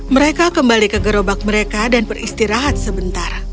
mereka kembali ke gerobak mereka dan beristirahat sebentar